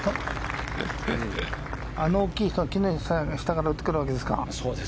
あの大きい木の下から打ってくるわけですか。